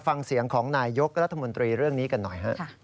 ฟังเสียงของนายยกรัฐมนตรีเรื่องนี้กันหน่อยฮะ